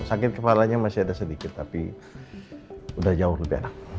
sakit kepalanya masih ada sedikit tapi udah jauh lebih enak